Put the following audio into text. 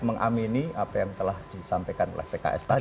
mengamini apa yang telah disampaikan oleh pks tadi